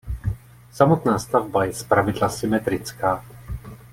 Samotná stavba je zpravidla symetrická.